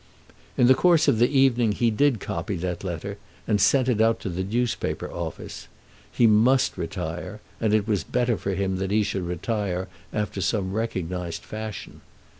In the course of the evening he did copy that letter, and sent it out to the newspaper office. He must retire, and it was better for him that he should retire after some recognised fashion.